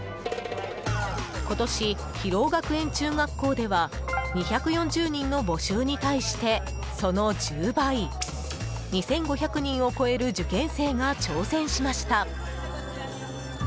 今年、広尾学園中学校では２４０人の募集に対してその１０倍、２５００人を超える受験生が挑戦しました。